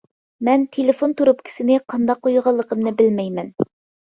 مەن تېلېفون تۇرۇپكىسىنى قانداق قويغانلىقىمنى بىلمەيمەن.